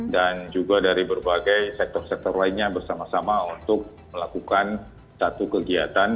dan juga dari berbagai sektor sektor lainnya bersama sama untuk melakukan satu kegiatan